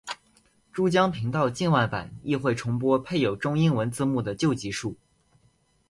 珠江频道境外版亦会重播配有中英文字幕的旧集数。